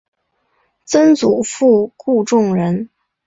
曾祖父顾仲仁。